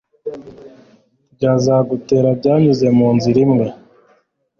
bazagutera banyuze mu nzira imwe